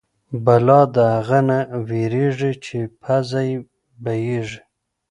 بلا د اغه نه وېرېږي چې پزه يې بيېږي.